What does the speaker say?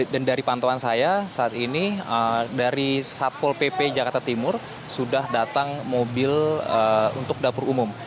dan dari pantauan saya saat ini dari satpol pp jakarta timur sudah datang mobil untuk dapur umum